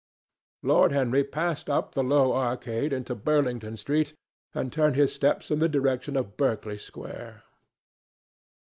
Lord Henry passed up the low arcade into Burlington Street and turned his steps in the direction of Berkeley Square.